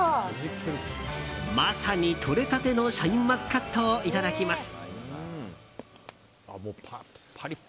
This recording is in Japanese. まさにとれたてのシャインマスカットをいただきます。